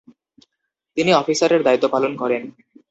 তিনি অফিসারের দায়িত্ব পালন করেন।